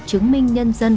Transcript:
chứng minh nhân dân